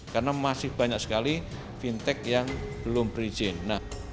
karena masih banyak sekali fintech yang belum berizin